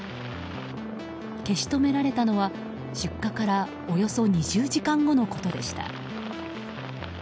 消し止められたのは出火からおよそ２０時間後のことでした。